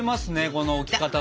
この置き方も。